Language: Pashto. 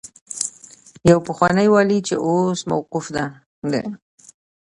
يو پخوانی والي چې اوس موقوف دی.